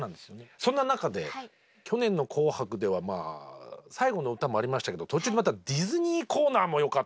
そんな中で去年の「紅白」では最後の歌もありましたけど途中でまたディズニーコーナーもよかった。